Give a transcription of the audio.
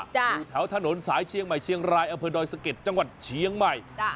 อยู่แถวถนนสายเชียงใหม่เชียงรายอำเภอดอยสะเก็ดจังหวัดเชียงใหม่